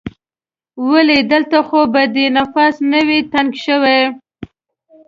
ولې؟ دلته خو به دې نفس نه وي تنګ شوی؟